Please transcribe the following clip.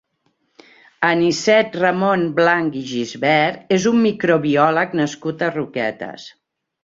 Anicet Ramon Blanch i Gisbert és un microbiòleg nascut a Roquetes.